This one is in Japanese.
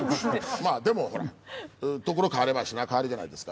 でもほら所変われば品変わりじゃないですか。